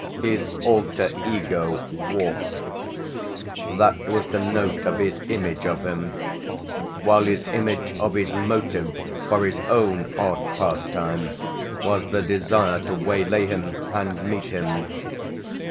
His alter ego "walked" that was the note of his image of him, while his image of his motive for his own odd pastime was the desire to waylay him and meet him.